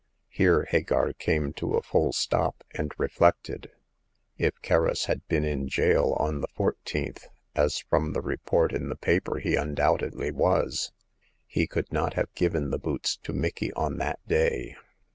Here Hagar came to a full stop, and reflected. If Kerris had been in jail on the fourteenth— as from the report in the paper he undoubtedly was — he could not have given the boots to Micky on that day.